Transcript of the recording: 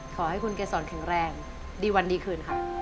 ขอให้คุณเกษรแข็งแรงดีวันดีคืนค่ะ